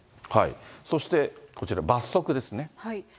そしてこちら、罰則ですね。